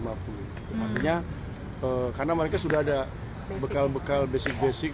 artinya karena mereka sudah ada bekal bekal basic basic